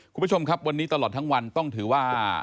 คุณผู้ชมครับวันนี้ตลอดทั้งวันต้องถือว่า